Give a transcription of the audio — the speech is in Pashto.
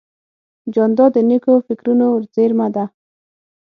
جانداد د نیکو فکرونو زېرمه ده.